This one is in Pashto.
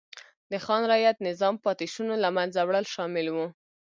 د خان رعیت نظام پاتې شونو له منځه وړل شامل و.